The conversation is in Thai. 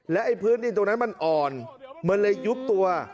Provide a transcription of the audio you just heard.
ไอ้พื้นดินตรงนั้นมันอ่อนมันเลยยุบตัว